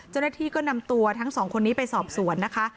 เจ้าหน้าที่ก็นำตัวทั้งสองคนนี้ไปสอบสวนนะคะ